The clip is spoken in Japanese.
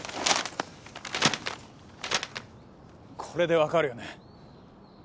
これで分かるよね？